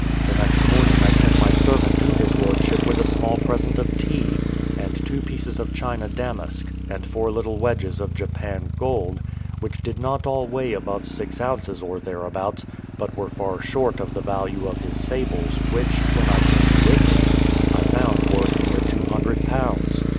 The next morning I sent my servant to his lordship with a small present of tea, and two pieces of China damask, and four little wedges of Japan gold, which did not all weigh above six ounces or thereabouts, but were far short of the value of his sables, which, when I came to England, I found worth near two hundred pounds.